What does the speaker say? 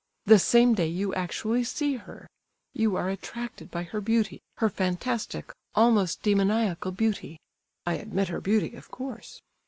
The same day you actually see her; you are attracted by her beauty, her fantastic, almost demoniacal, beauty—(I admit her beauty, of course).